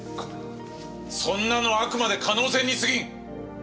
そんなのはあくまで可能性にすぎん！